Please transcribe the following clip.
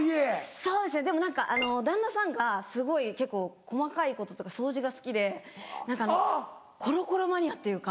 そうですねでも旦那さんがすごい結構細かいこととか掃除が好きで何かあのコロコロマニアっていうか。